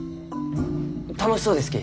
楽しそうですき。